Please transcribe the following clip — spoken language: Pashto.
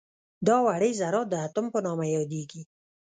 دا وړې ذرات د اتوم په نامه یادیږي.